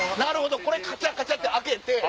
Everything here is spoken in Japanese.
これカチャカチャ！って開けて。